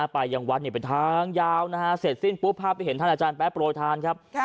ไปยังวัดเป็นทางยาวเสร็จสิ้นปุ๊บพาไปเห็นท่านอาจารย์แป๊บโปรดทาน